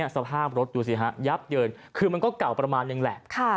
สภาพรถแย็บเยินคือก็เกาไปประมาณนึงแหละ